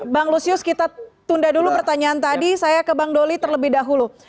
bang lusius kita tunda dulu pertanyaan tadi saya ke bang doli terlebih dahulu